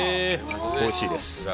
おいしいです。